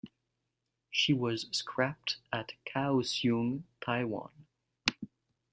She was scrapped at Kaohsiung, Taiwan.